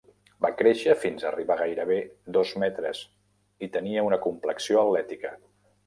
Va créixer fins arribar a gairebé dos metres i tenia una complexió atlètica.